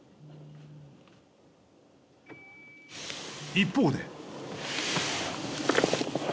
一方で。